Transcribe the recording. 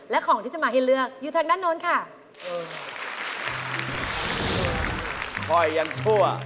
และของที่จะมาให้เลือกอยู่ทางด้านโน้นค่ะ